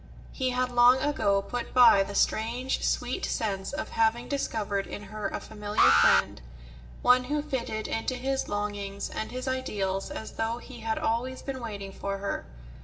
He had long ago put by the strange, sweet sense of having discovered in her a familiar friend—one who fitted into his longings and his ideals as though he had always been waiting for her.